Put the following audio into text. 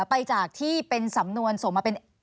ไปจากที่สำนวนทรงมาเป็น